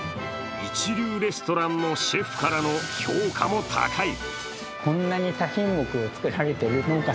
一流レストランのシェフからの評価も高い。